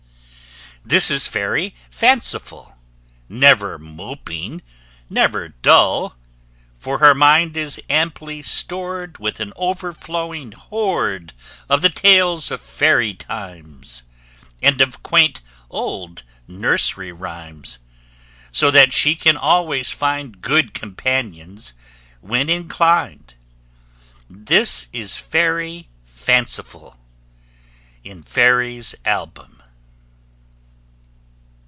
This is Fairy Fanciful, Never moping, never dull, For her mind is amply stored With an overflowing hoard Of the tales of fairy times, And of quaint old nursery rhymes, So that she can always find Good companions when inclined! This is Fairy Fanciful, IN FAIRY'S ALBUM.